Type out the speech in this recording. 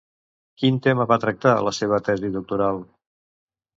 Quin tema va tractar a la seva tesi doctoral?